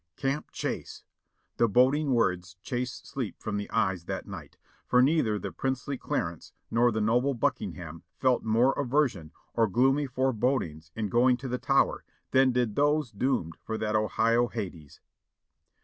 "Camp Chase!" the boding words chased sleep from the eyes that night, for neither the princely Clarence nor the noble Buck ingham felt more aversion, or gloomy forebodings in going to the Tower, than did those doomed for that Ohio Hades.